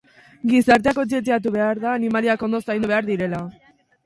Gizartea kontzientziatu behar da animaliak ondo zaindu behar direla.